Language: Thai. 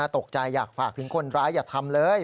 ตกใจอยากฝากถึงคนร้ายอย่าทำเลย